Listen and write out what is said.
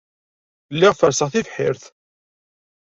Lliɣ ferrseɣ tibḥirt.